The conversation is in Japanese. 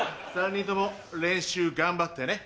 ３人とも練習頑張ってね。